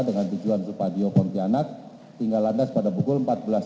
dengan tujuan supadio pontianak tinggal landas pada pukul empat belas tiga puluh